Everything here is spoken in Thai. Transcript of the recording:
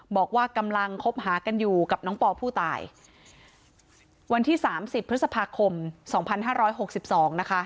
บอกว่ากำลังคบหากันอยู่กับน้องปอผู้ตายวันที่๓๐พฤษภาคม๒๕๖๒นะคะ